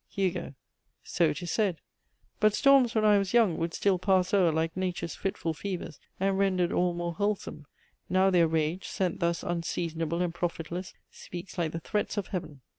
HUGO. So it is said. But storms when I was young Would still pass o'er like Nature's fitful fevers, And rendered all more wholesome. Now their rage, Sent thus unseasonable and profitless, Speaks like the threats of heaven."